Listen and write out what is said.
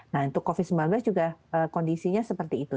nah untuk covid sembilan belas juga kondisinya seperti itu